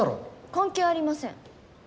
関係ありません。